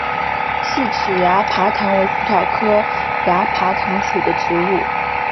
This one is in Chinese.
细齿崖爬藤为葡萄科崖爬藤属的植物。